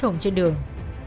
hùng trên đường